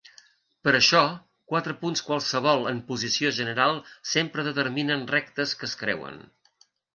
Per això, quatre punts qualssevol en posició general sempre determinen rectes que es creuen.